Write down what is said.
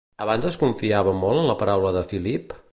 Abans es confiava molt en la paraula de Filip?